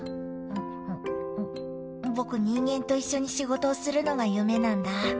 僕人間と一緒に仕事するのが夢なんだ。